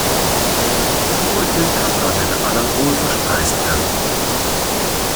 Die Beute kann dann in aller Ruhe verspeist werden.